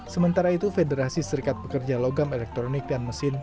sementara itu federasi serikat pekerja logam elektronik dan mesin